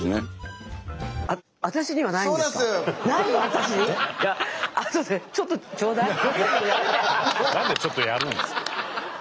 何でちょっとやるんですか。